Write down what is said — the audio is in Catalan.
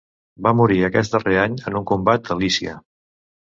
Va morir aquest darrer any en un combat a Lícia.